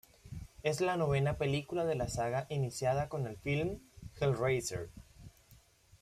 Es la novena película de la saga iniciada con el film "Hellraiser".